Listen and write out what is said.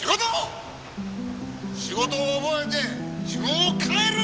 仕事を覚えて自分を変えるんや！